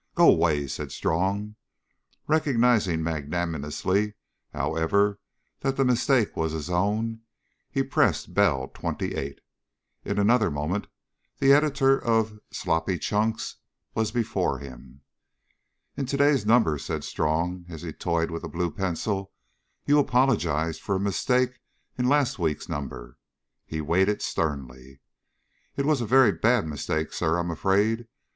"Go away," said Strong. Recognising magnanimously, however, that the mistake was his own, he pressed bell "28." In another moment the editor of Sloppy Chunks was before him. "In to day's number," said Strong, as he toyed with a blue pencil, "you apologise for a mistake in last week's number." He waited sternly. "It was a very bad mistake, Sir, I'm afraid.